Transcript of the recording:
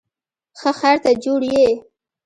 ښه خیر، ته جوړ یې؟